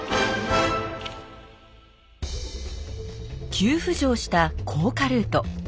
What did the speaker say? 急浮上した甲賀ルート。